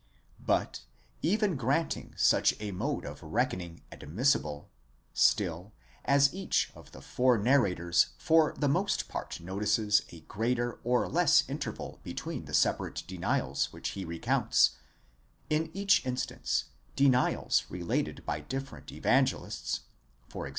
® But even granting such a mode of reckoning admissible, stil], as each of the four narrators for the most part notices a greater or less interval between the separate denials which he recounts; in each instance, denials related by different Evangelists, e.g.